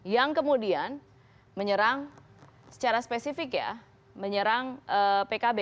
yang kemudian menyerang secara spesifik ya menyerang pkb